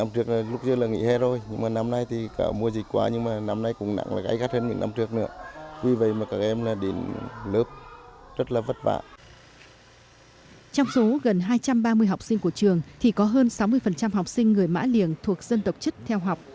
trong số gần hai trăm ba mươi học sinh của trường thì có hơn sáu mươi học sinh người mã liềng thuộc dân tộc chất theo học